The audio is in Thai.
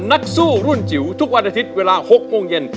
นักสู้รุ่นจิ๋วทุกวันอาทิตย์เวลา๖โมงเย็น